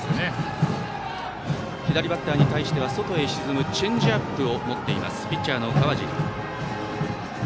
左バッターに対しては外に沈むチェンジアップを持つピッチャーの川尻。